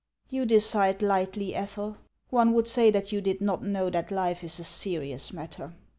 "You decide lightly, Ethel. One would say that you did not know that life is a serious matter."